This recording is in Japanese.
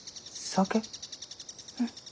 うん。